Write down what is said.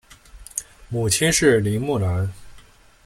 母亲是林慕兰。